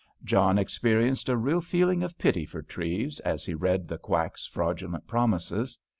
John experienced a real feeling of pity for Treves as he read the quack's fraudulent promises.